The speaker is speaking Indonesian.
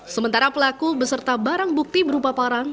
sementara pelaku beserta barang bukti berupa parang